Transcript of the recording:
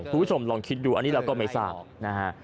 คุณผู้ชมลองคิดดูอันนี้เราก็ไม่ทราบนะฮะ